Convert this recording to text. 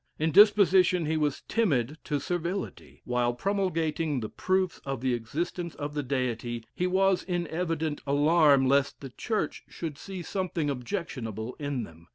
In disposition he was timid to servility. While promulgating the proofs of the existence of the Deity, he was in evident alarm lest the Church should see something objectionable in them.